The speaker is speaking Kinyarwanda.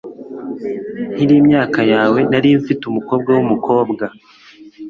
Nkiri imyaka yawe nari mfite umukobwa wumukobwa